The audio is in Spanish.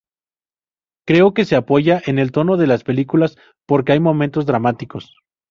Creo que se apoya en el tono de las películas porque hay momentos dramáticos.